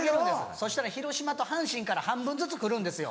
そしたら広島と阪神から半分ずつ来るんですよ。